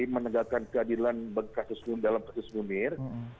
menegakkan keadilan dalam kasus munir